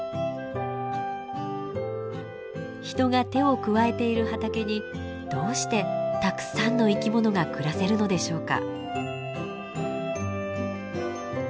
人が手を加えている畑にどうしてたくさんの生き物が暮らせるのでしょうか。